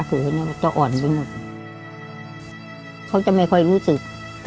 เขาจะไม่ค่อยรู้สึก